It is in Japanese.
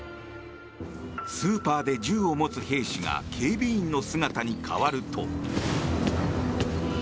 スーパーで銃を持つ兵士が警備員の姿に変わると。